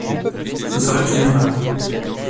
Ce serait une erreur.